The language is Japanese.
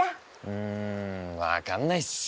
うん分かんないっす。